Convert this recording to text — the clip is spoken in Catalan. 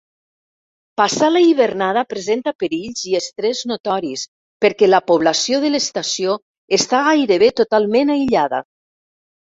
Passar la hivernada presenta perills i estrès notoris, perquè la població de l'estació està gairebé totalment aïllada.